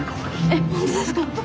えっ本当ですか？